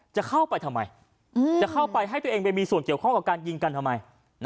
จะเข้าไปทำไมจะเข้าไปให้ตัวเองไปมีส่วนเกี่ยวข้องกับการยิงกันทำไม